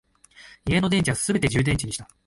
家の電池はすべて充電池にした